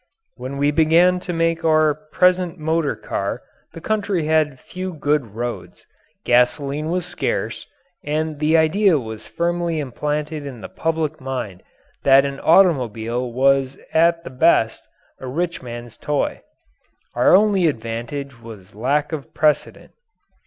When we began to make our present motor car the country had few good roads, gasoline was scarce, and the idea was firmly implanted in the public mind that an automobile was at the best a rich man's toy. Our only advantage was lack of precedent.